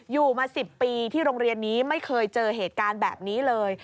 อยู่มา๑๐ปีที่โรงเรียนนี้ไม่เคยเจอเหตุการณ์แบบนี้เลย